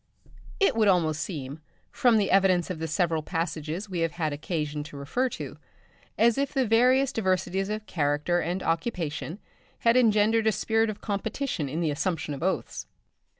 It would almost seem, from the evidence of the several passages we have had occasion to refer to, as if the various diversities of character and occupation had engendered a spirit of competition in the assumption of oaths.